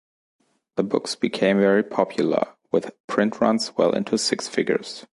The books became very popular, with print runs well into six figures.